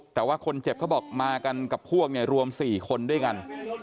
แต่ว่าคนเจ็บเขาบอกมากันกับพวกเนี่ยรวม๔คนด้วยกัน